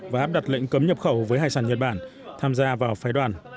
và áp đặt lệnh cấm nhập khẩu với hải sản nhật bản tham gia vào phái đoàn